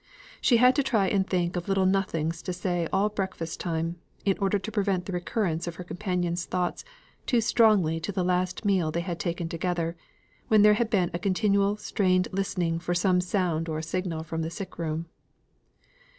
She had to try and think of little nothings to say all breakfast time, in order to prevent the recurrence of her companions' thoughts too strongly to the last meal they had taken together, when there had been a continual strained listening for some sound or signal from the sick room.